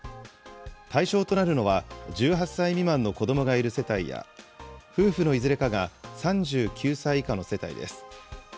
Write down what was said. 対象となるのは、１８歳未満の子どもがいる世帯や、夫婦のいずれかが３９歳以下の世帯です。